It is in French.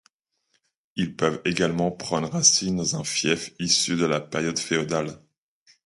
Ils peuvent également prendre racine dans un fief issu de la période féodale.